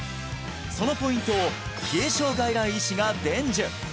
そのポイントを冷え症外来医師が伝授！